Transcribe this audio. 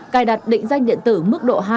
cài đặt định danh điện tử mức độ hai